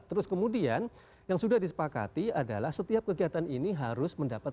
terus kemudian yang sudah disepakati adalah setiap kegiatan ini harus mendapatkan